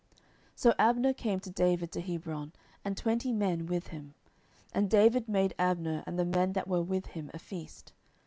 10:003:020 So Abner came to David to Hebron, and twenty men with him. And David made Abner and the men that were with him a feast.